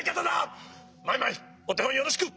マイマイおてほんよろしく。